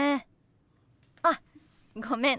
あごめん。